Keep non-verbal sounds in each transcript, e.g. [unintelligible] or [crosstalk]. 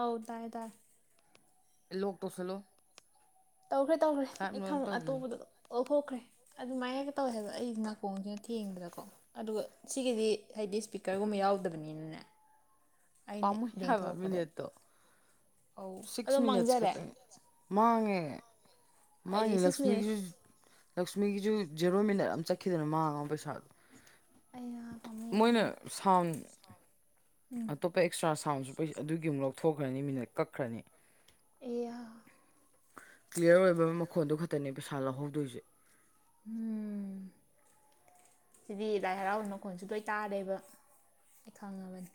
ꯑꯥꯎ ꯇꯥꯏꯌꯦ ꯇꯥꯏ ꯂꯣꯛ ꯇꯧꯁꯜꯂꯣ ꯇꯧꯈ꯭ꯔꯦ ꯇꯧꯈ꯭ꯔꯦ ꯁꯥꯏꯞ ꯑꯩ ꯂꯣꯏ ꯊꯝꯃ ꯇꯧꯈꯤꯅꯤ ꯑꯇꯣꯞꯄꯗ ꯊꯣꯛꯈ꯭ꯔꯦ ꯑꯗꯨꯃꯥꯏꯅꯒ ꯇꯧꯋꯦ ꯍꯥꯏꯕ ꯑꯩ ꯅꯀꯣꯡꯁꯤꯅ ꯊꯦꯡꯕꯗꯀꯣ ꯑꯗꯨꯒ ꯁꯤꯒꯤꯗꯤ ꯍꯥꯏꯗꯤ ꯏꯁꯄꯤꯀꯔꯒꯨꯝꯕ ꯌꯥꯎꯗꯕꯅꯤꯅꯅꯦ ꯑꯩꯅ ꯄꯥꯝꯃꯨꯏ ꯍꯥꯏꯕ ꯌꯦꯡꯊꯣꯔꯛꯄꯗ ꯃꯤꯅꯤꯠꯇꯣ ꯑꯧ ꯁꯤꯛꯁ ꯑꯗꯨꯝ ꯃꯤꯅꯠꯁ ꯃꯥꯡꯖꯔꯦ ꯃꯥꯅꯦ ꯑꯩꯗꯤ ꯁꯤꯛꯁ ꯂꯛꯁꯃꯤꯒꯤ ꯃꯤꯅꯠꯁ ꯖꯨ ꯂꯛꯁ ꯂꯛꯁꯃꯤꯒꯤꯁꯨ ꯖꯦꯔꯣ ꯃꯤꯅꯠ ꯑꯃ ꯆꯠꯈꯤꯗꯅ ꯃꯥꯡꯉꯃꯦ ꯄꯩꯁꯗꯣ ꯑꯩꯌꯥ ꯄꯥꯝꯃꯨꯏ ꯃꯣꯏꯅ ꯌꯥꯝꯅ ꯁꯥꯎꯟ ꯑꯇꯣꯞꯄ ꯑꯦꯛꯁꯇ꯭ꯔꯥ ꯁꯥꯎꯟꯁꯨ ꯄꯩ ꯑꯗꯨꯒꯤ ꯑꯃꯨꯛ ꯂꯧꯊꯣꯛꯈ꯭ꯔꯅꯤ ꯃꯤꯅꯠ ꯀꯛꯈ꯭ꯔꯅꯤ ꯑꯦꯌꯥ ꯀ꯭ꯂꯤꯌꯥꯔ ꯑꯣꯏꯕ ꯃꯈꯣꯟꯗꯨ ꯈꯛꯇꯅꯦ ꯄꯩꯁꯥ ꯂꯧꯍꯧꯗꯣꯏꯁꯦ ꯎꯝ ꯁꯤꯗꯤ ꯂꯥꯏ ꯍꯔꯥꯎꯕꯩ ꯃꯈꯣꯟꯜꯁꯨ ꯂꯣꯏ ꯇꯔꯦꯕ ꯑꯩ ꯈꯪꯉꯕꯅꯤ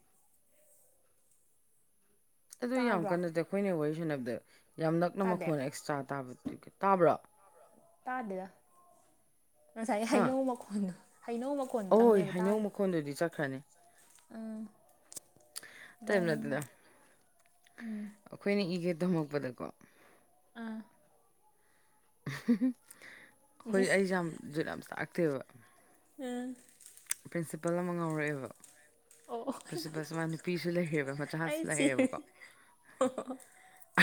ꯑꯗꯨ ꯌꯥꯝ ꯇꯥꯕ꯭ꯔꯣ ꯀꯟꯅ ꯅꯠꯇꯦ ꯑꯩꯈꯣꯏꯅ ꯋꯥꯔꯤ ꯁꯥꯟꯅꯕꯗ ꯌꯥꯝ ꯅꯛꯅ ꯇꯥꯗꯦ ꯃꯈꯣꯟ ꯑꯦꯛꯁꯇ꯭ꯔ ꯇꯥꯕ ꯇꯕ꯭ꯔꯣ ꯇꯥꯗꯦꯗ ꯉꯁꯥꯏ ꯍꯥ ꯍꯩꯅꯧ ꯃꯈꯣꯟꯗꯣ ꯍꯩꯅꯧ ꯃꯈꯣꯟꯗꯨꯗꯡ ꯑꯣꯏ ꯅꯦꯕ ꯍꯩꯅꯧ ꯇꯥꯔꯦ ꯃꯈꯣꯟꯗꯨꯗꯤ ꯆꯠꯈ꯭ꯔꯅꯤ ꯎꯝ ꯑꯇꯩ ꯗꯣꯡ ꯅꯠꯇꯦꯗ ꯎꯝ ꯑꯩꯈꯣꯏꯅ ꯏꯒꯦ ꯇꯝꯃꯛꯄꯗꯀꯣ ꯑꯥ ꯑꯍꯨꯝ ꯍꯨ ꯑꯩꯈꯣꯏ ꯑꯩꯁꯦ ꯎꯝ ꯌꯥꯝ ꯖꯨꯠ ꯌꯥꯝ ꯆꯔꯛꯇꯦꯕ ꯎꯝ ꯄ꯭ꯔꯤꯟꯁꯤꯄꯜ ꯑꯃ ꯉꯥꯎꯔꯛꯑꯦꯕ ꯑꯣ ꯄ꯭ꯔꯤꯟꯁꯤꯄꯜꯁꯦ ꯃꯥ ꯅꯨꯄꯤꯁꯨ ꯂꯩꯔꯦꯕ ꯃꯆꯥꯁꯨ ꯂꯩꯔꯦꯕꯀꯣ ꯑꯣ ꯍꯣ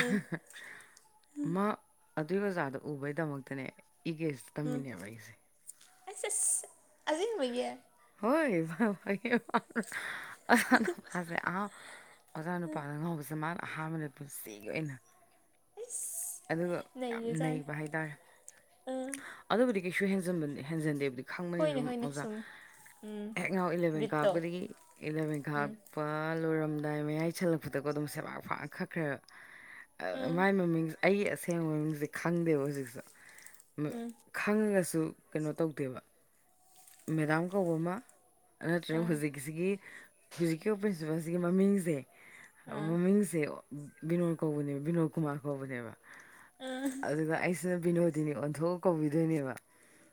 ꯎꯝ ꯃꯥ ꯑꯗꯨꯏ ꯑꯣꯖꯥꯗꯣ ꯎꯕꯩꯗꯃꯛꯇꯅꯦ ꯏꯒꯦꯁ ꯎꯝ ꯇꯝꯃꯤꯅꯦꯕ ꯑꯩꯁꯦ ꯑꯁ ꯏꯁ ꯑꯖꯤꯡꯕꯒꯤ ꯍꯣꯏ ꯐ ꯐꯩ ꯍꯥ ꯍꯥ ꯍꯥ ꯑꯣꯖꯥ ꯅꯨꯄꯥꯁꯦ ꯑꯥ ꯑꯣꯖꯥ ꯅꯨꯄꯥꯗ ꯉꯥꯎꯕꯁꯦ ꯃꯅꯥ ꯑꯍꯥꯟꯕꯗ ꯄꯨꯟꯁꯤꯒꯤ ꯑꯣꯏꯅ ꯑꯁ ꯑꯗꯨꯒ ꯌꯥꯝ ꯅꯩꯔꯖꯥꯠꯅꯤ ꯅꯩꯕ ꯍꯥꯏꯇꯥꯥꯔꯦ ꯎꯝ ꯑꯗꯨꯕꯨꯗꯤ ꯀꯩꯁꯨ ꯍꯦꯟꯖꯟꯕꯅꯦ ꯍꯦꯟꯖꯟꯗꯦꯕꯨꯗꯤ ꯈꯪꯕꯅꯤ ꯍꯣꯏꯅꯦ ꯑꯗꯨꯝ ꯍꯣꯏꯅꯦ ꯑꯣꯖꯥ ꯁꯨꯝ ꯎꯝ ꯍꯦꯛ ꯉꯥꯎ ꯏꯂꯚꯦꯟ ꯕꯤꯠꯇꯣ ꯀꯥꯛꯄꯗꯒꯤ ꯏꯂꯚꯦꯟ ꯎꯝ ꯀꯥꯛꯄ ꯂꯣꯏꯔꯝꯗꯥꯏ ꯃꯌꯥꯏ ꯆꯜꯂꯛꯄꯗꯀꯣ ꯑꯗꯨꯝ ꯁꯦꯕꯥꯛ ꯐꯥꯛꯑ ꯈꯛꯈ꯭ꯔꯦꯕ ꯑꯥ ꯎꯝ ꯃꯥꯏ ꯃꯃꯤꯡꯁꯦ ꯑꯩꯒꯤ ꯑꯁꯦꯡꯕ ꯃꯃꯤꯡꯁꯦ ꯈꯪꯗꯦꯕ ꯍꯧꯖꯤꯛꯁꯨ ꯎꯝ ꯈꯪꯉꯒꯁꯨ ꯀꯩꯅꯣ ꯇꯧꯗꯦꯕ ꯃꯦꯗꯥꯝ ꯀꯧꯕ ꯑꯃ ꯅꯠꯇ꯭ꯔꯒ ꯎꯝ ꯍꯧꯨꯖꯤꯛꯀꯤꯁꯤꯒꯤ ꯍꯧꯖꯤꯛꯀꯤ ꯄ꯭ꯔꯤꯟꯁꯤꯄꯜꯁꯤꯒꯤ ꯃꯃꯤꯡꯁꯦ ꯎꯝ ꯃꯃꯤꯡꯁꯦ ꯕꯤꯅꯣꯏ ꯀꯧꯕꯅꯦꯕ ꯕꯤꯅꯣꯏ ꯀꯨꯃꯥꯔ ꯀꯧꯕꯅꯦꯕ ꯎꯝ ꯑꯗꯨꯒ ꯑꯩꯁꯤꯅ ꯕꯤꯅꯣꯗꯤꯅꯤ ꯑꯣꯟꯊꯣꯛꯑ ꯀꯧꯕꯤꯗꯣꯏꯅꯦꯕ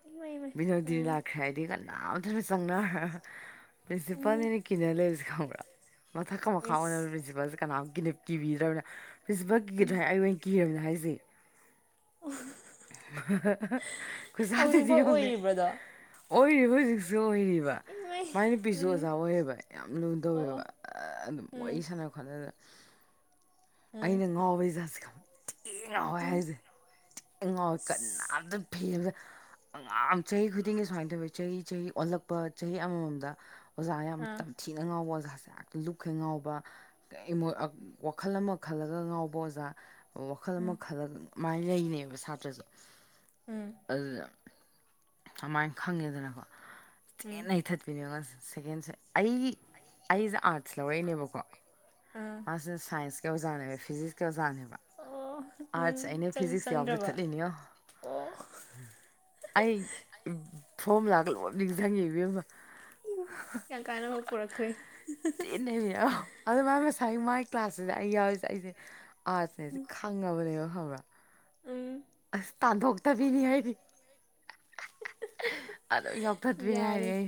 ꯏꯃꯥꯏ ꯏꯃꯥꯏ ꯕꯤꯅꯣꯗꯤꯅꯤ ꯎꯝ ꯂꯥꯛꯈ꯭ꯔꯦ ꯍꯥꯏꯗꯤ ꯀꯅꯥꯝꯇꯅ ꯆꯪꯅꯔ ꯎꯝ ꯄ꯭ꯔꯤꯟꯁꯤꯄꯥꯜꯅꯦꯅ ꯀꯤꯅ ꯂꯩꯔꯁꯤ ꯈꯪꯕ꯭ꯔꯥ ꯃꯊꯛꯀ ꯃꯈꯥ ꯑꯣꯏꯅ ꯏꯁ ꯄ꯭ꯔꯤꯟꯁꯤꯄꯥꯜꯁꯦ ꯀꯅꯥꯝ ꯀꯅꯦꯞ ꯀꯤꯕꯤꯗ꯭ꯔꯕꯅꯦ ꯄ꯭ꯔꯤꯟꯁꯤꯄꯥꯜ ꯀꯤꯒꯗ꯭ꯔꯥ ꯍꯥꯏꯔ ꯑꯩ ꯑꯣꯏꯅ ꯀꯤꯔꯕꯅꯦ ꯍꯥꯏꯁꯦ ꯈꯨꯁꯥꯊꯤꯗꯣ ꯍꯧꯖꯤꯛꯐꯥꯎ ꯌꯦꯡꯉꯨꯅꯦ ꯑꯣꯏꯔꯤꯕ꯭ꯔꯗꯣ ꯑꯣꯏꯔꯤꯕ ꯍꯧꯖꯤꯛꯁꯨ ꯑꯣꯏꯔꯤꯕ ꯏꯃꯩ ꯃꯥꯏ ꯅꯨꯄꯤꯁꯨ ꯎꯝ ꯑꯣꯖꯥ ꯑꯣꯏꯌꯦꯕ ꯌꯥꯝ ꯂꯨꯅ ꯑꯣ ꯇꯧꯋꯦꯕ ꯑꯗꯨꯝ ꯎꯝ ꯋꯥꯔꯤ ꯁꯥꯟꯅ ꯈꯣꯠꯅꯗꯅ ꯎꯝ ꯑꯩꯅ ꯉꯥꯎꯕꯩ ꯖꯥꯠꯁꯦ ꯈꯪ ꯏ ꯉꯥꯎꯋꯦ ꯎꯝ ꯍꯥꯏꯁꯦ ꯊꯤ ꯉꯥꯎꯋꯦ ꯀꯅꯥꯝꯇ ꯐꯤꯕꯗ ꯑꯉꯥꯡ ꯆꯍꯤ ꯈꯨꯗꯤꯡꯒꯤ ꯁꯨꯃꯥꯏꯅ ꯑꯗꯨꯒ ꯆꯍꯤ ꯆꯍꯤ ꯑꯣꯜꯂꯛꯄ ꯆꯍꯤ ꯑꯃꯃꯝꯗ ꯑꯣꯖꯥ ꯌꯥꯝ ꯑꯥ ꯇꯝꯊꯤꯅ ꯉꯥꯎꯕ ꯑꯣꯖꯥ ꯍꯦꯛ ꯂꯨꯞꯈꯩ ꯉꯥꯎꯕ ꯀꯩꯝ ꯑꯥ ꯋꯥꯈꯜ ꯑꯃ ꯈꯜꯂꯒ ꯉꯥꯎꯕ ꯑꯣꯖꯥ ꯋꯥꯈꯜ ꯑꯃ ꯈꯜꯂꯒ ꯃꯥꯏꯅ ꯂꯩꯅꯦꯕ ꯁꯥꯇ꯭ꯔꯁꯨ ꯎꯝ ꯑꯗꯨꯗ ꯑꯃꯥꯏꯅ ꯈꯪꯉꯦꯗꯅꯀꯣ ꯎꯝ ꯊꯤꯅꯥ ꯅꯩꯊꯠꯄꯤꯅꯦꯉꯣ ꯑꯁ ꯁꯦꯀꯦꯟꯁꯦ ꯑꯩ ꯑꯩꯁꯦ ꯑꯥꯔꯠꯁ ꯂꯧꯔꯛꯏꯅꯦꯕꯀꯣ ꯑꯥ ꯃꯥꯁꯨ ꯁꯥꯏꯟꯁ ꯀꯤ ꯑꯣꯖꯥꯅꯦꯕ ꯐꯤꯖꯤꯛꯁ ꯀꯤ ꯑꯣꯖꯥꯅꯦꯕ ꯑꯣ ꯎꯝ ꯑꯥꯔꯠꯁ ꯑꯩꯅ ꯆꯪ ꯐꯤꯖꯤꯛꯁ ꯌꯥꯎꯕ ꯆꯪꯗ꯭ꯔꯕ ꯆꯠꯊꯠꯂꯤꯅꯦ ꯌꯣ ꯑꯣ ꯑꯩ ꯐꯣꯝꯂꯥꯒ ꯂꯣꯏ ꯅꯤꯡꯁꯪꯉꯤ ꯏꯕꯦꯝꯃꯥ ꯌꯥꯝ ꯀꯥꯟꯅꯕ ꯄꯨꯔꯛꯈ꯭ꯔꯦ [unintelligible] ꯀ꯭ꯂꯥꯁꯁꯤꯗ ꯑꯩ ꯌꯥꯎꯋꯤꯁꯦ ꯑꯩꯁꯦ ꯑꯥꯔꯁꯠ ꯅꯦꯁꯦ ꯈꯪ [unintelligible] ꯎꯝ ꯑꯁ ꯇꯥꯟꯊꯣꯛꯇꯕꯤꯅꯦ ꯍꯥꯏꯔꯤ ꯑꯗꯨꯝ ꯌꯥꯎꯊꯠꯄꯤꯅꯦ ꯌꯥꯔꯦ ꯍꯥꯏꯔꯤꯌꯦ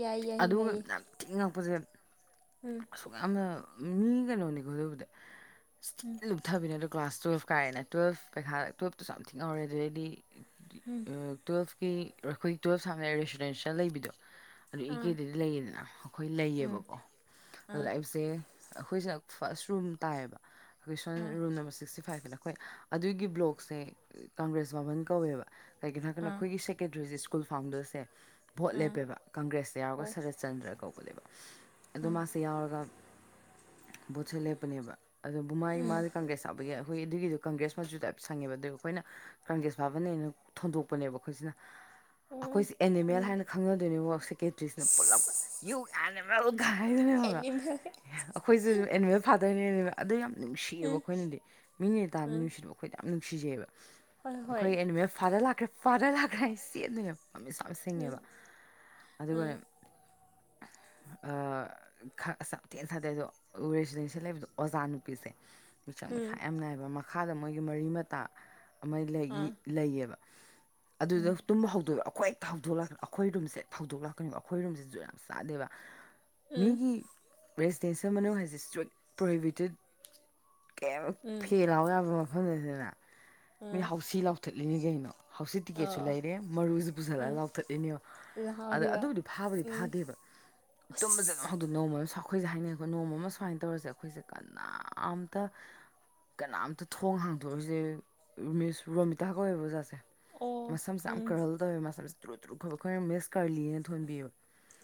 ꯌꯥꯏ ꯌꯥꯏ ꯑꯗꯨꯒ ꯂꯩ ꯌꯥꯝ ꯊꯤꯉꯛꯄꯁꯦ ꯎꯝ ꯑꯁꯨꯛ ꯌꯥꯝꯅ ꯃꯤ ꯀꯩꯅꯣꯅꯤꯀꯣ ꯗꯨꯕꯨꯗꯤ ꯑꯁ ꯊꯤ ꯂꯨꯞꯊꯕꯤꯅꯦ ꯑꯗꯣ ꯀ꯭ꯂꯥꯁ ꯇꯨꯋꯦꯜꯞ ꯀꯥꯔꯦꯅ ꯇꯨꯋꯦꯜꯞ ꯄꯩꯈꯥꯗ ꯇꯨꯋꯞꯇꯁꯨ ꯌꯥꯝ ꯊꯤꯅ ꯉꯥꯎꯔꯛꯑꯦ ꯑꯗꯨꯗꯩꯗꯤ ꯑ ꯇꯨꯋꯜꯐꯀꯤ ꯑꯩꯈꯣꯏꯒꯤ ꯇꯨꯋꯜꯞ ꯁꯥꯉꯥꯏ ꯔꯦꯁꯤꯗꯦꯟꯁꯦꯜ ꯂꯩꯕꯤꯗꯣ ꯑꯗꯨ ꯑꯥ ꯏꯀꯦꯗꯗꯤ ꯂꯩꯌꯦꯗꯅ ꯑꯩꯈꯣꯏ ꯎꯝ ꯂꯩꯌꯦꯕꯀꯣ ꯑꯥ ꯑꯗꯨꯗ ꯑꯩꯁꯦ ꯑꯩꯈꯣꯏꯁꯦ ꯐꯥꯔꯁ ꯔꯨꯝ ꯇꯥꯏꯌꯦꯕ ꯑꯩꯈꯣꯏ ꯁꯣꯝ ꯑꯥ ꯔꯨꯝ ꯅꯝꯕꯔ ꯁꯤꯛꯁꯇꯤ ꯐꯥꯏꯚ ꯀꯤꯗꯣ ꯑꯩꯈꯣꯏ ꯑꯗꯨꯒꯤ ꯕ꯭ꯂꯣꯛꯁꯦ ꯀꯪꯒ꯭ꯔꯦꯁ ꯕꯥꯚꯟ ꯀꯧꯋꯦꯕ ꯀꯩꯒꯤꯅꯣ ꯍꯥꯏꯔꯀꯥꯟꯗ ꯑꯥ ꯑꯩꯈꯣꯏꯒꯤ ꯁꯦꯀꯦꯇꯔꯤꯁꯦ ꯁ꯭ꯀ ꯁ꯭ꯀꯨꯜ ꯐꯥꯎꯟꯗꯔꯁꯦ ꯚꯣꯠ ꯑꯥ ꯂꯦꯞꯄꯦꯕ ꯀꯪꯒ꯭ꯔꯦꯁꯇ ꯌꯥꯎꯔꯒ ꯑꯣ ꯁꯔꯠꯆꯟꯗ꯭ꯔ ꯀꯧꯕꯅꯦꯕ ꯑꯗꯣ ꯃꯥꯁꯦ ꯌꯥꯎꯔꯒ ꯕꯣꯠꯁꯦ ꯂꯦꯞꯄꯅꯦꯕ ꯑꯗꯨꯕꯨ ꯃꯥꯒꯤ ꯃꯥꯁꯦ ꯀꯪꯒ꯭ꯔꯦꯁ ꯌꯥꯎꯕꯒꯤ ꯑꯩꯈꯣꯏ ꯑꯗꯨꯒꯤꯗꯣ ꯀꯪꯒ꯭ꯔꯦꯁ ꯃꯆꯨ ꯇꯥꯏꯞ ꯁꯪꯉꯦꯕ ꯑꯗꯨꯒ ꯑꯩꯈꯣꯏꯅ ꯀꯪꯒ꯭ꯔꯦꯁ ꯐꯥꯚꯟꯅꯦꯅ ꯊꯣꯟꯗꯣꯛꯄꯅꯦꯕ ꯑꯩꯈꯣꯏꯁꯤꯅ ꯎꯝ ꯑꯩꯈꯣꯏꯁꯦ ꯎꯝ ꯑꯦꯅꯤꯃꯦꯜ ꯍꯥꯏꯅ ꯈꯪꯅꯗꯣꯏꯅꯦꯕ ꯁꯦꯀꯦꯇꯔꯤꯁꯤꯅ ꯄꯨꯂꯞ ꯌꯨ ꯑꯦꯅꯤꯃꯦꯜ ꯀꯥꯏꯅꯥꯅꯦ ꯈꯪꯕꯔꯥ ꯑꯦꯅꯤꯃꯦꯜ ꯑꯩꯈꯣꯏꯁꯨ ꯑꯦꯅꯤꯃꯦꯜ ꯐꯥꯗꯔꯅꯦꯕ ꯑꯗꯨ ꯌꯥꯝ ꯎꯝ ꯅꯨꯡꯁꯤꯌꯦꯕ ꯑꯩꯈꯣꯏꯅꯗꯤ ꯃꯤꯅꯦ ꯇꯥꯕꯗ ꯎꯝ ꯅꯨꯡꯁꯤꯗꯕ ꯑꯩꯈꯣꯏꯗꯤ ꯌꯥꯝ ꯅꯨꯡꯁꯤꯖꯩꯌꯦꯕ ꯍꯣꯏ ꯍꯣꯏ ꯑꯩꯈꯣꯏ ꯑꯦꯅꯤꯃꯦꯜ ꯐꯥꯗꯔ ꯂꯥꯛꯈ꯭ꯔꯦ ꯐꯥꯗꯔ ꯂꯥꯛ ꯀꯥꯏ ꯆꯦꯟꯗꯣꯏꯅꯦꯕ ꯃꯃꯤꯠꯁꯨ ꯌꯥꯝ ꯁꯤꯡꯉꯦꯕ ꯎꯝ ꯑꯗꯨꯒꯅꯦ ꯑ ꯈ ꯑꯁ ꯌꯥꯝ ꯊꯤꯅ ꯁꯥꯊꯤ ꯑꯗꯣ ꯔꯦꯁꯤꯗꯦꯟꯁꯦꯜ ꯂꯩꯕꯗꯣ ꯑꯣꯖꯥ ꯅꯨꯄꯤꯁꯦ ꯃꯤꯆꯪ ꯎꯝ ꯃꯤꯈꯥꯏ ꯌꯥꯝ ꯅꯥꯏꯕ ꯃꯈꯥꯗ ꯃꯣꯏꯒꯤ ꯃꯔꯤ ꯃꯇꯥ ꯑꯃ ꯂꯩꯢ ꯑꯥ ꯂꯩꯌꯦꯕ ꯑꯗꯨꯗ ꯇꯨꯝ ꯍꯧꯗꯣꯛꯑꯦꯕ ꯑꯩꯈꯣꯏ ꯍꯛꯇ ꯍꯧꯗꯣꯛ ꯂꯥꯛꯀꯅꯤ ꯑꯩꯈꯣꯏ ꯔꯨꯝꯁꯦ ꯍꯧꯗꯣꯛ ꯂꯥꯛ ꯀꯩꯅꯣ ꯑꯩꯈꯣꯏꯔꯨꯝꯁꯤꯁꯨ ꯖꯨꯠ ꯌꯝ ꯆꯥꯗꯦꯕ ꯎꯝ ꯃꯤꯒꯤ ꯔꯦꯁꯤꯗꯦꯟꯁꯤꯜ ꯃꯅꯨꯡ ꯍꯥꯏꯁꯦ ꯁꯇ꯭ꯔꯤꯛ ꯄ꯭ꯔꯣꯍꯤꯕꯤꯇꯦꯠ ꯀꯩꯝ ꯎꯝ ꯐꯦꯜ ꯂꯎ ꯌꯥꯕ ꯃꯐꯝꯗ ꯅꯠ꯭ꯇꯦꯗꯅ ꯎꯝ ꯃꯤ ꯍꯥꯎꯁꯤ ꯂꯥꯎꯊꯠꯂꯤꯅꯤ ꯀꯩꯅꯣ ꯍꯥꯎꯁꯤ ꯇꯤꯛꯀꯦꯠꯁꯨ ꯑꯣ ꯂꯩꯔꯦ ꯃꯔꯨꯁꯨ ꯄꯨꯁꯜꯂꯒ ꯎꯝ ꯂꯥꯎꯊꯠꯂꯤꯅꯦ ꯑꯥ ꯂꯥꯎꯔꯤꯕ ꯑꯗꯨꯕꯨꯗꯤ ꯐꯥꯕꯨꯗꯤ ꯎꯝ ꯐꯥꯗꯦꯕ ꯇꯨꯝꯕꯁꯦ ꯑꯗꯨꯝ ꯑꯁ ꯍꯧꯗꯣꯛ ꯅꯣꯡꯃ ꯑꯩꯈꯣꯏꯁꯦ ꯍꯥꯏꯅꯩꯑꯦꯕ ꯅꯣꯡꯃꯥ ꯑꯃ ꯁꯨꯃꯥꯏꯅ ꯇꯧꯔꯁꯦ ꯑꯩꯈꯣꯏꯁꯦ ꯀꯅꯥꯝꯇ ꯀꯅꯥꯝꯇ ꯊꯣꯡ ꯍꯥꯡꯗꯣꯛꯏꯁꯦ ꯃꯤꯁ ꯔꯣꯃꯤꯇꯥ ꯀꯧꯑꯦꯕ ꯑꯣꯖꯥꯁꯦ ꯑꯣ ꯃꯁꯝꯁꯦ ꯌꯥꯝ ꯎꯝ ꯀꯥꯔꯜ ꯇꯧꯋꯦꯕ ꯃꯁꯝꯁꯦ ꯇꯨꯔꯨ ꯇꯨꯔꯨ ꯈꯣꯏꯕ ꯑꯩꯈꯣꯏꯅ ꯃꯤꯁ ꯀꯥꯔꯂꯤꯅ ꯊꯣꯟꯕꯤ ꯑꯦꯕ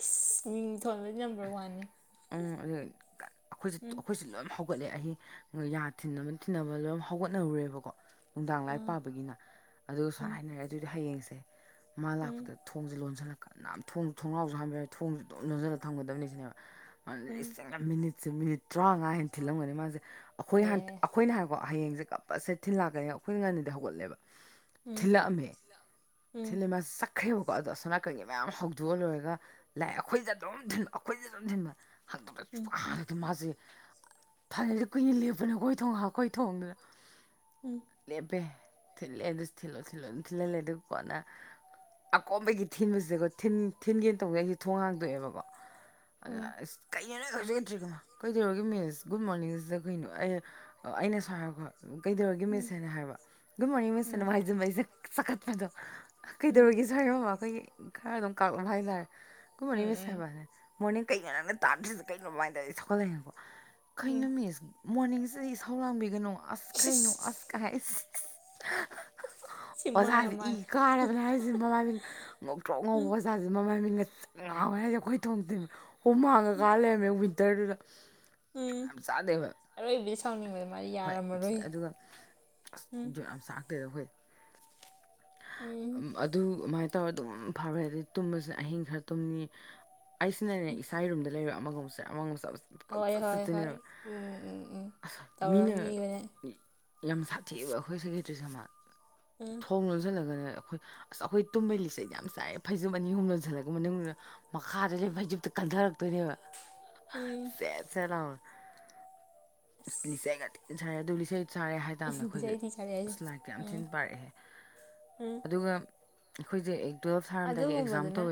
ꯏꯁ ꯃꯤꯡ ꯊꯣꯟꯕꯗꯤ ꯅꯝꯕꯔ ꯋꯥꯟꯅꯤ ꯎꯝ ꯑꯗꯨ ꯑꯩꯈꯣꯏ ꯎꯝ ꯑꯩꯈꯣꯏꯁꯦ ꯂꯣꯏ ꯍꯧ ꯍꯧꯒꯠꯂꯦ ꯑꯍꯤꯡ ꯌꯥ ꯊꯤꯟꯕ ꯊꯤꯟꯅꯕ ꯂꯣꯏ ꯍꯧꯒꯠꯅꯔꯨꯔꯦꯕꯀꯣ ꯅꯨꯡꯗꯥꯡ ꯂꯥꯏ ꯑꯥ ꯄꯥꯕꯒꯤꯅ ꯑꯗꯨꯒ ꯎꯝ ꯁꯨꯃꯥꯏꯅ ꯍꯥꯏꯅꯔꯦ ꯑꯗꯨꯗꯤ ꯍꯥꯌꯦꯡꯁꯦ ꯃꯥ ꯎꯝ ꯂꯥꯛꯄꯗ ꯊꯣꯡꯖꯦ ꯂꯣꯟꯖꯜꯂꯛ ꯀꯅꯥꯝ ꯊꯣꯡ ꯊꯣꯡꯅꯥꯎꯁꯨ ꯍꯥꯡꯕ ꯌꯥꯔꯣꯏ ꯊꯣꯡꯁꯨ ꯗꯨꯝ ꯂꯣꯟꯁꯤꯜꯒ ꯊꯝꯒꯗꯕꯅꯤ ꯁꯤꯅꯦꯕ ꯃꯥ ꯎꯝ ꯂꯤꯁꯤꯡ ꯂꯛ ꯃꯤꯅꯤꯠ ꯁꯦ ꯃꯤꯅꯤꯠ ꯇꯔꯥꯉꯥ ꯍꯦꯟꯅ ꯊꯤꯜꯂꯝꯒꯅꯤ ꯃꯥꯁꯦ ꯑꯩꯈꯣꯏ ꯍ ꯑꯌꯥ ꯑꯩꯈꯣꯏꯅ ꯍꯥꯏꯀꯣ ꯍꯌꯦꯡꯁꯦ ꯀꯞꯄꯁꯦ ꯊꯤꯜꯂꯛꯀꯅꯤ ꯑꯩꯈꯣꯏꯅ ꯉꯟꯅꯗꯤ ꯍꯧꯒꯠꯂꯦꯕ ꯎꯝ ꯊꯤꯜꯂꯛꯑꯝꯃꯦ [unintelligible] ꯎꯝ ꯆꯠꯈ꯭ꯔꯦꯕꯀꯣ ꯑꯗꯣ ꯑꯁꯣ ꯅꯥꯀꯟꯒꯤ ꯃꯌꯥꯝ ꯍꯧꯗꯣꯛꯑ ꯂꯣꯏꯔꯒ ꯂꯥꯛꯑ ꯑꯩꯈꯣꯏꯁꯦ ꯑꯗꯨꯝ ꯊꯤꯟꯕ ꯑꯩꯈꯣꯏꯁꯦ ꯑꯗꯨꯝ ꯎꯝ ꯊꯤꯟꯕ [unintelligible] ꯃꯥꯁꯦ ꯐꯅꯗ ꯀꯨꯏꯅ ꯂꯦꯞꯄꯅꯦ ꯑꯩꯈꯣꯏ ꯊꯣꯡ ꯑꯩꯈꯣꯏ ꯊꯣꯡꯗꯨꯗ ꯎꯝ ꯂꯦꯞꯄꯦ ꯊꯤꯜꯂꯦ ꯑꯗꯨ ꯊꯤꯜꯂꯣ ꯊꯤꯜꯂꯣ ꯑꯗꯨꯝ ꯊꯤꯜꯍꯜꯂꯦ ꯑꯗꯨ ꯀꯣꯅ ꯑꯀꯣꯟꯕꯒꯤ ꯊꯤꯟꯕꯁꯤꯗ ꯊꯤꯟ ꯊꯤꯟꯒꯦ ꯇꯧꯋꯦ ꯑꯩꯁꯦ ꯊꯣꯡ ꯍꯥꯡꯇꯣꯛꯑꯦꯕꯀꯣ ꯑꯥ ꯗꯥ ꯎꯝ ꯑꯁ ꯀꯩ ꯌꯦ ꯅꯣꯏ ꯍꯒꯠꯇ꯭ꯔꯤꯕ ꯀꯩꯗꯧꯔꯒꯦ ꯃꯤꯁ ꯒꯨꯗ ꯃꯣꯔꯅꯤꯡꯁꯤꯗ ꯀꯩꯅꯣ ꯑꯩ ꯑꯩꯅ ꯁꯨꯃꯥꯏ ꯍꯥꯏꯀꯣ ꯀꯩꯗꯧꯔꯒꯦ ꯃꯤꯁ ꯍꯥꯏꯅ ꯍꯥꯏꯕ ꯒꯨꯗ ꯃꯣꯔꯅꯤꯡ ꯃꯤꯁ ꯎꯝ ꯍꯥꯏꯅ ꯍꯥꯏꯖꯟꯕ ꯑꯩꯁꯦ ꯆꯈꯠꯄꯗꯣ ꯎꯝ ꯀꯩꯗꯧꯔꯒꯦꯁꯦ ꯍꯥꯏꯔꯣ ꯑꯩꯈꯣꯏꯒꯤ ꯈꯔ ꯑꯗꯨꯝ ꯀꯥꯛꯂꯅ ꯍꯥꯏꯇꯥꯥꯔꯦ ꯒꯨꯗ ꯃꯣꯔꯅꯤꯡ ꯎꯝ ꯃꯤꯁ ꯎꯝ ꯍꯥꯏꯕ ꯅ ꯃꯣꯔꯅꯤꯡ ꯀꯩꯩꯅꯣ ꯅꯪꯅ ꯇꯥꯗ꯭ꯔꯤꯁꯤ ꯀꯩꯅꯣ ꯃꯃꯥꯏꯅ [unintelligible] ꯕꯀꯣ ꯎꯝ ꯀꯩꯅꯣ ꯃꯤꯁ ꯃꯣꯔꯅꯤꯡꯁꯦ ꯏꯁꯧꯂꯥꯡꯕꯤꯒꯅꯣ ꯑꯁ ꯀꯩ ꯅꯣ ꯑꯁ ꯁꯤ ꯀꯥꯏ ꯍꯥꯏ ꯏꯁ ꯁꯤꯃꯥꯌꯥꯝ ꯑꯣꯖꯥꯁꯦ ꯏ ꯀꯥꯔꯕꯅꯦ ꯍꯥꯏꯁꯦ ꯃꯃꯥꯏ ꯃꯤꯠ ꯉꯧꯇ꯭ꯔꯣꯛ ꯉꯧꯕ ꯑꯣꯖꯥꯥꯁ ꯃꯃꯥ ꯃꯤꯠ ꯉꯁꯪ ꯉꯁꯪ ꯉꯥꯡꯑꯦ ꯍꯥꯏꯁꯦ [unintelligible] ꯑꯩꯈꯣꯏ ꯊꯣꯡ ꯊꯤꯟꯕꯗ ꯍꯨꯝꯃꯥꯡꯒ ꯀꯥ ꯂꯩꯔꯝꯃꯦ ꯋꯤꯟꯇꯔꯗꯨꯗ ꯖꯨꯠ ꯎꯝ ꯌꯥꯝ ꯆꯥꯗꯦꯕ ꯑꯔꯣꯏꯕꯗꯤ ꯁꯥꯎꯅꯤꯡꯕꯗ ꯃꯥꯗꯤ ꯍꯣꯏ ꯑꯁ ꯌꯥꯔꯝꯃꯔꯣꯏ ꯑꯗꯨꯒ ꯑꯁ ꯎꯝ ꯖꯨꯠ ꯌꯥꯝ ꯆꯥꯔꯛꯇꯦꯗ ꯑꯩꯈꯣꯏ ꯎꯝ ꯑꯝ ꯑꯗꯨꯃꯥꯏ ꯇꯧꯔ ꯑꯗꯨꯝ ꯐꯥꯒꯔꯦ ꯑꯗꯩ ꯇꯨꯝꯕꯁꯤꯅ ꯑꯍꯤꯡ ꯈꯔ ꯇꯨꯝꯅꯤ ꯑꯩꯁꯤꯅꯅꯦ ꯏꯁꯥꯒꯤ ꯔꯨꯝꯝꯗ ꯂꯩꯔꯣꯏ ꯑꯃꯒ ꯃꯨꯛ [unintelligible] ꯍꯣꯏ ꯄꯪꯆꯠ ꯍꯣꯏ ꯍꯣꯏ ꯆꯠꯇꯣꯏꯅꯦꯕ ꯎꯝ ꯎꯝ ꯎꯝ ꯑꯁ ꯃꯤꯅ ꯇꯧꯔꯝꯅꯤꯕꯅ ꯌꯥꯝ ꯁꯥꯊꯤꯕ ꯑꯩꯈꯣꯏ ꯁꯦꯀꯦꯇ꯭ꯔꯤꯁꯦ ꯈꯪꯕ꯭ꯔ ꯎꯝ ꯊꯣꯡ ꯂꯣꯟꯁꯤꯜꯂꯒꯅꯦ ꯑꯩꯈꯣꯏ ꯑꯁ ꯑꯩꯈꯣꯏ ꯇꯨꯝꯃꯒꯤ ꯂꯤꯁꯦ ꯑꯩꯗꯤ ꯌꯥꯝ ꯆꯥꯛꯑꯦ ꯐꯩꯖꯨꯞ ꯑꯅꯤ ꯑꯍꯨꯝ ꯂꯣꯟꯁꯤꯜꯂꯒ ꯃꯅꯨꯡꯗꯨ ꯃꯈꯥꯗ ꯂꯩꯕ ꯐꯩꯖꯨꯞꯇ ꯀꯟꯊꯔꯛꯇꯣꯏꯅꯦꯕ ꯎꯝ ꯁꯦꯠ ꯁꯦꯠ ꯂꯥꯎꯅ ꯂꯤꯆꯩꯒ ꯊꯤꯅ ꯁꯔꯦ ꯑꯗꯨ ꯂꯤꯆꯩ ꯆꯥꯔꯦ ꯍꯥꯏꯇꯥꯥꯝꯅꯦ ꯑꯩꯈꯣꯏꯁꯦ ꯏꯁꯩ ꯊꯤ ꯁꯥꯔꯛꯑꯦ ꯍꯥꯏꯁꯦ ꯑꯁ ꯂꯥꯏꯔꯤꯛꯇꯤ ꯌꯥꯝ ꯎꯝ ꯊꯤꯅ ꯄꯥꯔꯛꯑꯦ ꯎꯝ ꯑꯗꯨꯒ ꯑꯩꯈꯣꯏꯖꯦ ꯑꯗꯨꯒꯨꯝꯕꯗꯨꯅ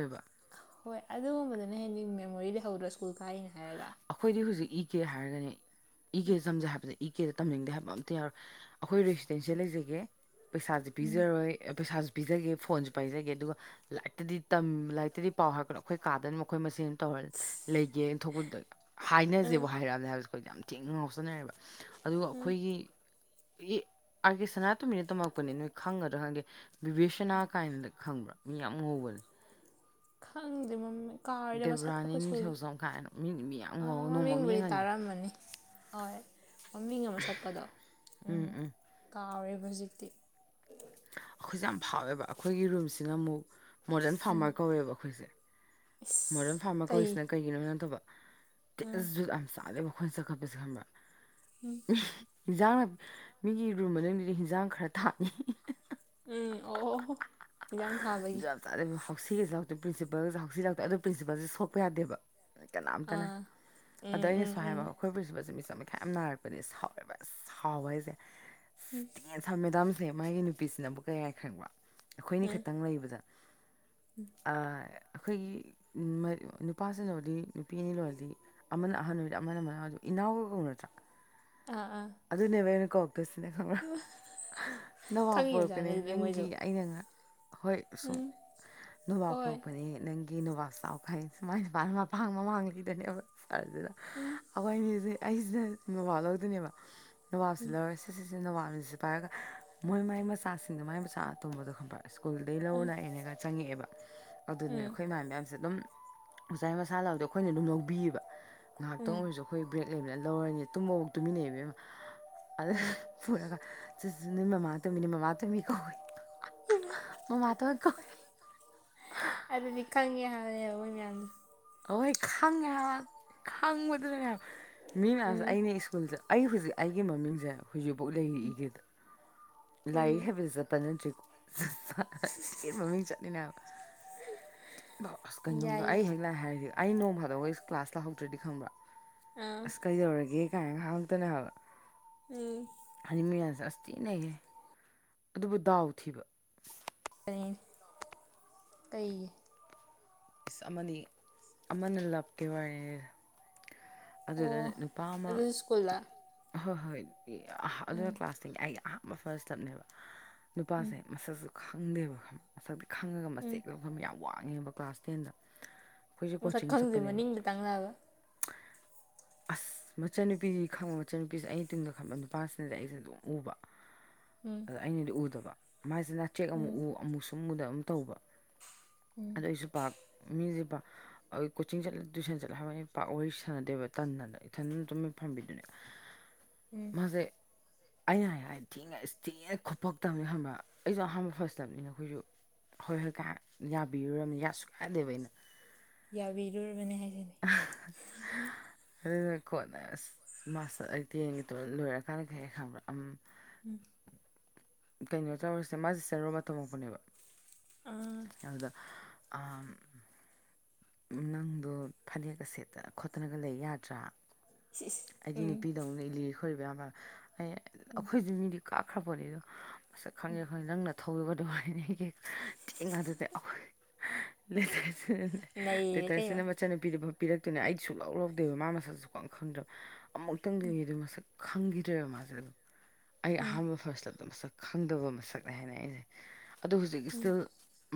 ꯍꯣꯏ ꯑꯗꯨꯒꯨꯝꯕꯗꯨꯅ ꯍꯦꯟꯗꯤ ꯃꯦꯃꯣꯔꯤ ꯂꯩꯍꯧꯗꯔꯣ ꯁ꯭ꯀꯨꯜ ꯀꯥꯔꯤꯅꯦ ꯍꯥꯏꯔꯒ ꯑꯩꯈꯣꯏꯗꯤ ꯍꯧꯖꯤꯛ ꯏ ꯀꯦ ꯍꯥꯏꯔꯒꯅꯦ ꯏ ꯀꯦ ꯇꯝꯖꯦ ꯍꯥꯏꯕꯖꯦ ꯏ ꯀꯦꯗ ꯇꯝꯅꯤꯡꯗꯦ ꯍꯥꯏꯕ ꯑꯝꯇ ꯌꯥꯎꯔꯦ ꯑꯩꯈꯣꯏ ꯔꯤꯛꯁꯅꯤ ꯁꯤꯗ ꯂꯩꯖꯒꯦ ꯄꯩꯁꯥꯥꯁꯦ ꯎꯝ ꯄꯤꯖꯔꯣꯏ ꯑꯦ ꯄꯩꯁꯥꯁꯨ ꯄꯤꯖꯒꯦ ꯐꯣꯟꯁꯨ ꯄꯥꯏꯖꯒꯦ ꯑꯗꯨꯒ ꯂꯥꯏꯔꯤꯛꯇꯗꯤ ꯇꯝ ꯂꯥꯏꯔꯤꯛꯇꯗꯤ ꯄꯥꯎ ꯍꯥꯏꯔꯛꯀꯅꯣ ꯑꯩꯈꯣꯏ ꯀꯥꯗꯅ ꯑꯈꯣꯏ ꯃꯁꯦꯟ ꯇꯧꯔꯦ ꯂꯩꯒꯦꯅ ꯊꯣꯛꯄꯗꯨꯗ ꯎꯝ ꯍꯥꯏꯅꯁꯦꯕ ꯍꯥꯏꯔꯛꯑꯕꯅꯦ ꯍꯥꯏꯕ ꯑꯩꯈꯣꯏ ꯌꯥꯝ ꯊꯤꯅ ꯉꯥꯎꯁꯅꯔꯦꯕ ꯑꯗꯨꯒ ꯎꯝ ꯑꯈꯣꯏꯒꯤ ꯑꯦ ꯑꯥꯔꯀꯦ ꯁꯅꯥꯇꯣꯝꯕꯤꯗ ꯇꯝꯃꯛꯄꯅꯦ ꯅꯣꯏ ꯈꯪꯒꯗ꯭ꯔꯥ ꯈꯪꯗꯦ ꯕꯤꯕꯦꯁꯅꯥ ꯀꯥꯏꯅ ꯈꯪꯕ꯭ꯔꯥ ꯃꯤ ꯌꯥꯝ ꯉꯧꯕꯅꯤ ꯈꯪꯗꯦ ꯃꯃꯤ ꯀꯥꯎꯔꯦꯗ ꯃꯁꯛꯀ ꯗꯦꯕ꯭ꯔꯥꯅꯤ ꯑꯩꯈꯣꯏ ꯁ꯭ꯀꯨꯜꯒꯤ ꯁꯦꯜꯖꯝ ꯀꯥꯏꯅ ꯃꯤ ꯃꯤ ꯌꯥꯝ ꯑꯥ ꯉꯧꯔꯒ ꯅꯣꯡꯃ ꯑꯃ ꯃꯃꯤꯡꯕꯨꯗꯤ ꯌꯦꯡꯍꯟꯒꯦ ꯇꯥꯔꯝꯃꯅꯤ ꯑꯣꯏ ꯃꯃꯤꯡ ꯒ ꯃꯁꯛꯀꯗꯣ ꯎꯝ ꯀꯥꯎꯔꯦꯕ ꯍꯨꯖꯤꯛꯇꯤ ꯑꯩꯈꯣꯏꯁꯦ ꯌꯥꯝ ꯐꯥꯎꯋꯦꯕ ꯑꯩꯈꯣꯏꯒꯤ ꯔꯨꯝꯁꯤꯅ ꯑꯃꯨꯛ ꯃꯣꯗꯔꯟ ꯐꯥꯔꯃꯔ ꯀꯧꯋꯦꯕ ꯑꯩꯈꯣꯏꯁꯦ ꯃꯣꯗꯔꯟ ꯏꯁ ꯐꯥꯔꯃꯔ ꯀꯩ ꯀꯧꯔꯤꯁꯤꯅ ꯀꯩꯒꯤꯅꯣ ꯅꯠꯇꯕ ꯇꯦꯖꯨꯨ ꯌꯥꯝ ꯆꯥꯗꯦꯕ ꯑꯈꯣꯏꯁꯦ ꯆꯀꯠꯄꯁꯦ ꯈꯪꯕ꯭ꯔꯥ ꯎ ꯍꯨꯝ ꯖꯥꯡꯅ ꯃꯤꯒꯤ ꯔꯨꯝ ꯃꯅꯨꯡꯗꯨꯗ ꯏꯟꯖꯥꯡ ꯈꯔ ꯊꯥꯅꯤꯌꯦ ꯑ ꯍꯥꯍꯥ ꯎꯝ ꯑꯣ ꯑꯣ ꯍꯣ ꯖꯨꯠ ꯌꯥꯝ ꯆꯥꯗꯦ ꯍꯥꯎꯁꯤꯒꯁꯨ ꯂꯥꯎꯊꯠ ꯄ꯭ꯔꯤꯟꯁꯤꯄꯜꯒꯥꯁꯦ ꯍꯥꯎꯁꯤ ꯂꯥꯎꯊꯣꯛꯑꯦ ꯑꯗꯨ ꯄ꯭ꯔꯤꯟꯁꯤꯄꯜꯁꯦ ꯁꯣꯛꯄ ꯌꯥꯗꯦꯕ ꯀꯅꯥꯝꯇꯅ ꯑꯥ ꯑꯗꯣ ꯎꯝ ꯎꯝ ꯑꯩꯅꯁꯨ ꯎꯝ ꯍꯥꯏꯕ ꯑꯩꯈꯣꯏ ꯄ꯭ꯔꯤꯟꯁꯤꯄꯜꯁꯦ ꯃꯤꯆꯪ ꯃꯤ ꯈꯥꯏ ꯌꯥꯝ ꯅꯥꯏꯔꯛꯄꯅꯦ ꯁꯥꯎꯋꯦꯕ ꯑꯁ ꯁꯥꯎꯕ ꯍꯥꯏꯖꯦ ꯊꯤꯅ ꯁꯥꯎꯌꯦꯕ ꯃꯦꯗꯝ ꯃꯥꯒꯤ ꯅꯨꯄꯤꯁꯤꯅ ꯑꯃꯨꯛ ꯀꯩ ꯍꯥꯏ ꯈꯪꯕ꯭ꯔꯥ ꯑꯩꯈꯣꯏꯅꯤ ꯎꯝ ꯈꯇꯪ ꯂꯩꯕꯗ ꯑꯥ ꯑꯩꯈꯣꯏꯒꯤ ꯃꯔꯤ ꯅꯨꯄꯥꯁꯤꯅꯕꯨꯗꯤ ꯅꯨꯄꯤ ꯑꯅꯤ ꯂꯣꯜꯂꯗꯤ ꯑꯃꯅ ꯑꯍꯜ ꯑꯣꯏꯔꯗꯤ ꯑꯃꯅ ꯃꯅꯥ ꯏꯅꯥꯎꯒ ꯀꯧꯅꯗ꯭ꯔꯥ ꯑꯥ ꯑꯥ ꯑꯗꯨꯅꯦꯕ ꯑꯩꯅ ꯁꯤꯅꯦ ꯈꯪꯕ꯭ꯔꯥ ꯏꯃꯥ ꯍꯥ ꯅꯋꯥ ꯄꯨꯔꯛꯄꯅꯦ ꯈꯪꯉꯤꯕꯖꯥꯠꯅꯤ ꯑꯗꯨꯗꯤ ꯅꯪꯒꯤ ꯃꯣꯏꯁꯨ ꯑꯩꯅ ꯉ ꯍꯣꯏ ꯁꯨꯝ ꯎꯝ ꯅꯣꯕꯥ꯭ꯕ ꯍꯣꯏ ꯄꯣꯔꯛꯄꯅꯦ ꯅꯪ ꯒꯤ ꯅꯣꯕꯥꯞ ꯆꯥꯎ ꯈꯥꯏ ꯃꯥꯏ ꯅꯨꯄꯥꯅ ꯃꯄꯥꯡ ꯃꯃꯥꯡꯒꯤꯗꯅꯦꯕ ꯁꯔꯖꯤꯅ ꯎꯝ ꯑꯩꯈꯣꯏ ꯅꯤꯖꯦ ꯑꯩꯖꯤꯅ ꯅꯣꯕꯥꯞ ꯂꯧꯗꯣꯏꯅꯦꯕ ꯅꯣꯕꯥꯞꯁꯤ ꯂꯧꯔ ꯁꯦ ꯁꯦ ꯁꯦ ꯅꯣꯕꯥꯞꯅꯤ ꯖꯤ ꯄꯥꯏꯔꯒ ꯃꯣꯏ ꯃꯥꯏ ꯃꯆꯥꯁꯤꯡꯗꯣ ꯃꯥꯏ ꯃꯆꯥ ꯑꯇꯣꯝꯕꯗꯣ ꯈꯪꯕ꯭ꯔꯥ ꯀꯨꯜꯗꯩꯩ ꯂꯧꯔ ꯂꯥꯛꯑꯦꯅ ꯒꯥ ꯆꯪꯉꯛꯑꯦꯕ ꯑꯗꯨꯅꯦ ꯎꯝ ꯑꯩꯈꯣꯏ ꯏꯃꯥꯟꯕꯤ ꯃꯌꯥꯝꯖꯦ ꯑꯗꯨꯝ ꯑꯣꯖꯥꯏ ꯃꯁꯥ ꯂꯧꯗ ꯑꯩꯈꯣꯏꯅ ꯑꯗꯨꯝ ꯂꯧꯕꯤꯌꯦꯕ ꯉꯍꯥꯛꯇꯪ ꯎꯝ ꯑꯣꯏꯔꯁꯨ ꯑꯩꯈꯣꯏ ꯕ꯭ꯔꯦꯛ ꯂꯩꯕꯅ ꯂꯧꯔꯅꯤ ꯇꯨꯝꯕꯕꯥꯎ ꯇꯨꯃꯤꯟꯅꯩꯕꯦꯝꯃ ꯑꯗꯨꯗ ꯎꯝ ꯄꯨꯔꯒ ꯆꯤ ꯅꯣꯏ ꯃꯃꯥ ꯇꯨꯝꯃꯤꯅꯦ ꯃꯃꯥ ꯇꯨꯝꯃꯤ ꯀꯣ ꯏꯃꯥ ꯃꯃꯥꯇꯣꯟ ꯀꯧꯑꯦ ꯑꯗꯨꯗꯤ ꯈꯪꯉꯦ ꯍꯥꯏꯌꯦ ꯃꯣꯏ ꯃꯌꯥꯝꯅ ꯑꯍꯣꯏ ꯈꯪꯉꯦ ꯍꯥꯏꯕ ꯈꯪꯕꯗꯨꯅꯅꯦ ꯍꯤꯏꯕ ꯃꯤ ꯃꯌꯥꯝꯖꯦ ꯎꯝ ꯑꯩꯅ ꯁ꯭ꯀꯨꯜꯖꯦ ꯑꯩ ꯍꯧꯖꯤꯛ ꯑꯩꯒꯤ ꯃꯃꯤꯡꯖꯦ ꯍꯧꯖꯤꯛꯕꯣꯛ ꯂꯩꯔꯤ ꯏꯀꯦꯗ ꯂꯥꯏꯔꯤꯛ ꯎꯝ ꯍꯩꯕꯗ ꯆꯠꯄ ꯅꯠꯇ꯭ꯔꯦꯀꯣ ꯁꯥ ꯁꯥꯊꯤ ꯃꯃꯤꯡ ꯆꯠꯂꯤꯅꯦ ꯍꯥꯏꯕ ꯕꯁ ꯀꯩꯅꯣꯗꯣ ꯌꯥꯏ ꯑꯩ ꯌꯥꯏ ꯍꯦꯛ ꯂꯥꯛꯑꯦ ꯍꯥꯏꯔꯗꯤ ꯑꯩ ꯅꯣꯡ ꯐꯥꯗꯣꯛꯀ ꯑꯩ ꯀ꯭ꯂꯥꯁ ꯂꯥꯛꯍꯧꯗ꯭ꯔꯗꯤ ꯈꯪꯕ꯭ꯔꯥ ꯑꯥ ꯑꯁ ꯀꯩꯗꯧꯔꯒꯦ ꯀꯥꯏꯅ ꯍꯥꯡꯇꯣꯏꯅꯦ ꯍꯥꯏꯕ ꯎꯝ ꯍꯥꯏꯗꯤ ꯃꯤ ꯃꯌꯥꯝꯖꯦ ꯑꯁ ꯊꯤ ꯅꯩꯌꯦ ꯑꯗꯨꯕꯨ ꯗꯥꯎ ꯊꯤꯕ ꯑꯦ ꯀꯩꯒꯤ ꯏꯁ ꯑꯃꯗꯤ ꯑꯃꯅ ꯂꯞꯀꯤ ꯋꯥꯔꯤꯅꯤꯗ ꯑꯣ ꯑꯗꯨꯗ ꯅꯨꯄꯥ ꯑꯃ ꯑꯗꯨꯁꯨ ꯁ꯭ꯀꯨꯜꯗ ꯍꯣ ꯍꯣꯏ ꯑꯗꯨꯅ ꯎꯝ ꯀ꯭ꯂꯥꯁꯇꯒꯤ ꯑꯩꯒꯤ ꯑꯍꯥꯟꯕ ꯐꯔꯁ ꯂꯚꯅꯦꯕ ꯅꯨꯄꯥꯁꯦ ꯃꯁꯛꯁꯨ ꯈꯪꯗꯦꯕ ꯈꯪꯕ ꯃꯁꯛꯇꯤ ꯈꯪꯉꯒ ꯎꯝ ꯃꯆꯦꯛ ꯂꯧꯕ ꯌꯥꯝ ꯋꯥꯡꯉꯦꯕ ꯀ꯭ꯂꯥꯁ ꯇꯦꯟꯗ ꯈꯣꯏꯖꯦ ꯃꯁꯛ ꯀꯣꯆꯤꯡ ꯈꯪꯗꯦ ꯆꯠꯄꯅꯦꯕ ꯃꯅꯤꯡꯗ ꯇꯪꯂꯒ ꯆ ꯑꯁ ꯃꯆꯟꯅꯨꯄꯤ ꯗꯤ ꯈꯪꯕ ꯃꯆꯟꯅꯨꯄꯤꯖꯦ ꯑꯩꯩ ꯇꯨꯡꯗ ꯈꯪꯕ ꯅꯨꯄꯥꯁꯤꯅꯗꯤ ꯑꯩꯁꯦ ꯑꯗꯨꯝ ꯎꯕ ꯎꯝ ꯑꯗ ꯑꯩꯅꯗꯤ ꯎꯗꯕ ꯃꯥꯏꯖꯤ ꯅꯥꯆꯦꯛ ꯑꯃꯨꯛ ꯎꯝ ꯎ ꯑꯃꯨꯛ ꯁꯨꯝ ꯎꯗꯕ ꯑꯝ ꯇꯧꯕ ꯑꯗ ꯑꯩꯖꯨ ꯃꯤꯖꯦ ꯄ ꯑꯥ ꯀꯣꯆꯤꯡ ꯆꯠꯂꯦ ꯇꯨꯏꯁꯟ ꯆꯠꯂꯦ ꯍꯥꯏꯕꯅꯤ ꯄꯥꯛ ꯋꯥꯔꯤ ꯁꯥꯟꯅꯗꯦꯕ ꯇꯟꯗꯅ ꯏꯊꯟ ꯗꯨꯝ ꯇꯨꯃꯤꯟ ꯐꯝꯕꯤꯗꯨꯅꯦ ꯃꯥꯖꯦ ꯑꯩꯅ ꯍꯥꯏ ꯍꯥꯏ ꯊꯤꯅ ꯑꯁ ꯊꯤꯅ ꯈꯨꯨꯞꯄꯛꯇꯑꯝꯅꯤ ꯈꯕ꯭ꯔꯥ ꯑꯩꯖꯨ ꯑꯍꯥꯟꯕ ꯐꯔꯁ ꯂꯕꯅꯤꯅ ꯈꯣꯏꯖꯨ ꯍꯣꯏ ꯍꯣꯏ ꯀ ꯌꯥꯕꯤꯔꯨꯔꯅꯨ ꯌꯥꯁꯨ ꯀꯥꯗꯦꯕ ꯑꯩꯅ ꯌꯥꯕꯤꯔꯨꯔꯕꯅꯦ ꯍꯥꯏ ꯑꯍꯥ ꯍꯥ ꯑꯗꯨ ꯈꯣꯠꯅ ꯃꯥꯁꯨ ꯑꯩ ꯇꯦꯟꯒꯦ ꯇꯨꯋꯦꯞ ꯂꯣꯏꯔꯀꯥꯟꯗ ꯀꯩ ꯍꯥꯏꯔꯛꯏ ꯈꯪꯕ꯭ꯔꯥ ꯑ ꯎꯝ ꯀꯩꯅꯣ ꯇꯧꯔꯁꯦ ꯃꯥꯁꯦ ꯁꯦꯟ ꯔꯣꯕꯥꯔꯠ ꯇꯝꯃꯛꯄꯅꯦꯕ ꯑꯥ ꯑꯗꯥ ꯑꯥ ꯅꯪꯗꯣ ꯐꯅꯦꯛꯀ ꯁꯦꯠꯇ ꯈꯣꯠꯇꯅ ꯂꯩ ꯌꯥꯗ꯭ꯔꯥ ꯏꯁ ꯏꯁ ꯑꯩꯗꯤ ꯎꯝ ꯅꯨꯄꯤꯗꯧꯅ ꯂꯤꯔꯤ ꯈꯣꯏ ꯑꯩ ꯑꯈꯣꯏꯗꯤ ꯃꯤꯗꯤ ꯀꯥꯞꯈ꯭ꯔꯕꯣꯅꯤ ꯑꯗꯣ ꯃꯁꯛ ꯈꯪꯉꯦ ꯈꯪꯉꯦ ꯅꯪ ꯅ [unintelligible] ꯅꯩꯔꯦ ꯀꯩꯅꯣ ꯁꯤꯐ ꯄꯤꯔꯛꯇꯣꯏꯅꯦ ꯑꯩꯗꯤ ꯁꯨ ꯂꯧ ꯂꯧꯗꯦꯕ ꯃꯥ ꯃꯁꯛꯁꯨ ꯁꯨꯈꯪ ꯈꯪꯗ꯭ꯔꯕ ꯑꯃꯨꯛꯇꯪꯗꯅꯤ ꯑꯗꯨ ꯃꯁꯛ ꯈꯪꯈꯤꯗ꯭ꯔꯦꯕ ꯃꯥꯁꯦ ꯑꯗꯨꯝ ꯑꯩ ꯑꯍꯥꯟꯕ ꯐ꯭ꯔꯁ ꯂꯞꯗ ꯃꯁꯛ ꯈꯪꯗꯕ ꯃꯁꯛꯅꯦ ꯍꯥꯏꯅ ꯑꯩꯅ ꯑꯗꯣ ꯍꯧꯖꯤꯛ ꯏꯁꯇꯤꯜ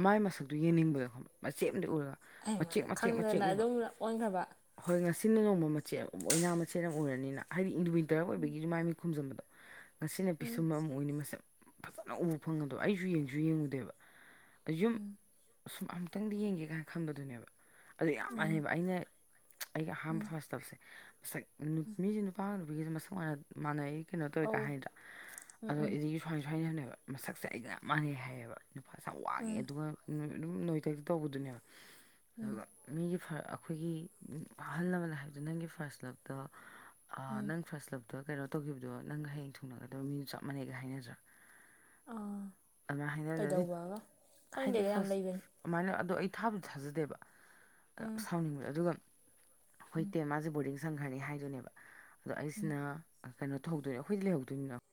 ꯃꯥꯏ ꯃꯁꯛꯇꯨ ꯌꯦꯡꯅꯤꯡꯕꯗꯣ ꯃꯆꯦꯠ ꯑꯃꯗꯤ ꯎꯔꯒ ꯍꯩꯃꯥ ꯃꯆꯦꯛ ꯃꯆꯦꯛ ꯃꯆꯦꯛ ꯈꯪꯗꯅ ꯎꯕ ꯑꯗꯨꯝ ꯑꯣꯟꯈ꯭ꯔꯕ ꯍꯣꯏ ꯉꯁꯤ ꯁꯤꯟꯅ ꯅꯣꯡꯃ ꯃꯆꯦꯠ ꯑꯃꯛ ꯑꯣꯏꯅ ꯃꯆꯦꯠ ꯑꯃ ꯑꯣꯏꯔꯅꯤꯅ ꯍꯥꯏꯗꯤ ꯋꯤꯟꯇ꯭ꯔ ꯑꯣꯏꯕꯒꯤꯁꯨ ꯃꯥꯏ ꯃꯤꯠ ꯈꯨꯝꯖꯟꯕꯗ ꯉꯁꯤꯅ ꯎꯝ ꯄꯤꯁꯨꯝꯕ ꯑꯃ ꯑꯨꯅꯤ ꯃꯁꯛ ꯐꯖꯅ ꯎꯕ ꯐꯪꯕꯗꯣ ꯑꯩꯁꯨ ꯌꯦꯡꯁꯨ ꯌꯦꯡꯉꯨꯗꯦꯕ ꯌꯨꯝ ꯁꯨꯝ ꯑꯃꯨꯛꯇꯪꯗꯤ ꯌꯦꯡꯒꯦ ꯀꯥꯏꯅ ꯈꯟꯕꯗꯨꯅꯦꯕ ꯑꯗꯨ ꯌꯥꯝ ꯃꯥꯟꯅꯩꯕ ꯑꯩꯅ ꯑꯩꯒ ꯑꯍꯥꯟꯕ ꯐꯥꯁ ꯂꯞꯁꯦ ꯁꯛ ꯃꯤꯁꯦ ꯅꯨꯄꯥ ꯅꯨꯄꯤꯒꯤꯁꯦ ꯃꯁꯛ ꯃꯥꯟꯅ ꯃꯥꯟꯅꯩ ꯀꯩꯅꯣ ꯇꯧꯋꯦꯀꯥꯏ ꯑꯧ ꯍꯥꯏꯗ꯭ꯔ ꯎꯝ ꯑꯗꯣ ꯎꯝ ꯏꯩꯗꯤ ꯁꯨꯋꯥꯥꯏꯏ ꯁꯨꯋꯥꯏꯅꯁꯨꯅꯦꯕ ꯃꯁꯛꯁꯦ ꯑꯩꯒ ꯌꯥꯝ ꯃꯥꯟꯅꯩ ꯍꯥꯏꯌꯦꯕ ꯅꯨꯄꯥꯁꯦ ꯌꯥꯝ ꯋꯥꯡꯉꯦ ꯎꯝ ꯑꯗꯨꯒ ꯑꯗꯨꯝ ꯅꯣꯏꯊꯛ ꯇꯧꯕꯗꯨꯅꯦꯕ ꯑꯗꯨꯒ ꯃꯤ ꯐꯔꯥꯒ ꯑꯩꯈꯣꯏꯒꯤ ꯑꯍꯜ ꯂꯃꯟ ꯍꯥꯏꯕꯗꯨ ꯅꯪꯒꯤ ꯐꯥꯔꯁ ꯂꯨꯞꯇ ꯅꯪ ꯐꯥꯔꯁ ꯂꯨꯞꯇ ꯑꯗꯣ ꯀꯩꯅꯣ ꯇꯧꯈꯤꯕꯗꯣ ꯅꯪꯒ ꯍꯌꯦꯡ ꯊꯨꯡꯅꯒꯗꯕ ꯃꯤꯒ ꯆꯞ ꯃꯥꯟꯅꯩꯒ ꯍꯥꯏꯅꯗ꯭ꯔꯥ ꯑꯥ ꯑꯗꯨꯃꯥꯏ ꯍꯥꯏꯅꯗꯤ ꯀꯩꯗꯧꯕꯒ ꯍꯥꯏꯗꯤ ꯈꯪꯗꯦꯗ ꯌꯥꯝ ꯐꯥꯔꯁ ꯂꯩꯕꯅꯤ ꯑꯗꯨꯃꯥꯏꯅ ꯑꯗꯣ ꯑꯩ ꯑ ꯊꯥꯕꯨꯗꯤ ꯊꯥꯖꯗꯦꯕ ꯎꯝ ꯁꯥꯎꯅꯤꯡꯕ ꯑꯗꯨꯒ ꯍꯣꯏꯇꯦ ꯃꯥꯁꯦ ꯕꯣꯔꯗꯤꯡ ꯁꯪꯈ꯭ꯔꯅꯤ ꯍꯥꯏꯗꯨꯅꯦꯕ ꯑꯗꯣ ꯑꯩꯁꯤꯅ ꯀꯩꯅꯣ ꯇꯧꯗꯣꯏꯅ ꯑꯩꯈꯣꯏ ꯂꯩꯍꯧꯗꯣꯏꯅꯤꯅ